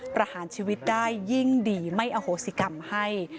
ประหารชีวิตได้ยิ่งดีไม่อโหสิกรรมให้